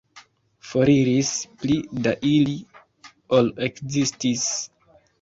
Foriris pli da ili, ol ekzistis.